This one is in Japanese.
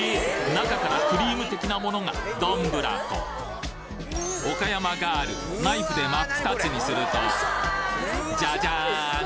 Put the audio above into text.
中からクリーム的なものがどんぶらこ岡山ガールナイフで真っ二つにするとジャジャーン！